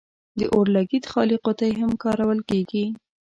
د اور لګیت خالي قطۍ هم کارول کیږي.